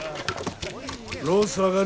ロース上がり。